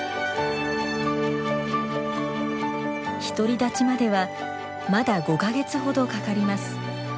独り立ちまではまだ５か月ほどかかります。